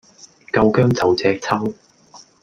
夠薑就隻揪